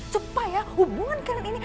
supaya hubungan kalian ini